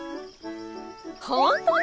ほんとに？